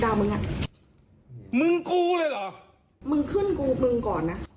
มึงอ่ะมึงกูเลยเหรอมึงขึ้นกูมึงก่อนนะ